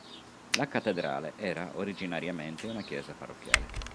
La cattedrale era originariamente una chiesa parrocchiale.